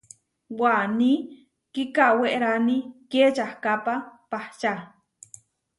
Waní kikawérani kiečahkápa pahča.